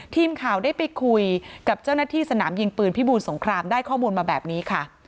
ทีมข่าวได้ไปคุยกับเจ้าหน้าที่สนามยิงปืนพิบูรสงครามได้ข้อมูลมาแบบนี้ค่ะ